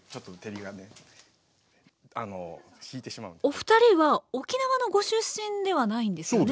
お二人は沖縄のご出身ではないんですよね？